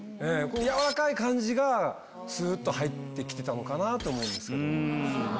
このやわらかい感じがスッと入って来てたのかなと思うんですけど。